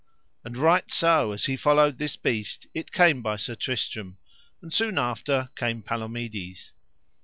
And right so as he followed this beast it came by Sir Tristram, and soon after came Palomides.